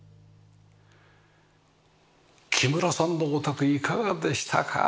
木村さんのお宅いかがでしたか？